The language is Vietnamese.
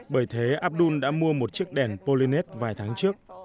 bởi thế abdul đã mua một chiếc đèn polynet vài tháng trước